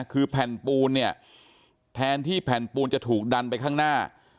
คือแผ่นปูนเนี่ยแทนที่แผ่นปูนจะถูกดันไปข้างหน้า